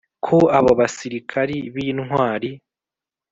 Ko abo basirikari b`intwari